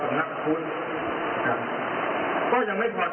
ก็ยังไม่รู้ว่ามันจะยังไม่รู้ว่า